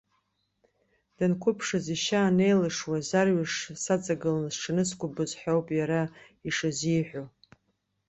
Данқәыԥшыз, ишьа анеилашуаз арҩаш саҵагыланы сҽаныскәабоз ҳәоуп иара ишазиҳәо.